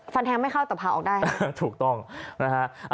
แทงไม่เข้าแต่พาออกได้ถูกต้องนะฮะ